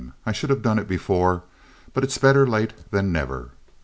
I should have done it before, but it's better late than never.